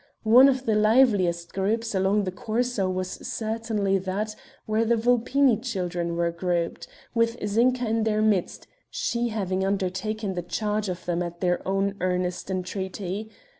One of the liveliest groups along the Corso was certainly that where the Vulpini children were grouped, with Zinka in their midst, she having undertaken the charge of them at their own earnest entreaty.